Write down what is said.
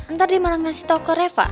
ntar dia malah ngasih tau ke reva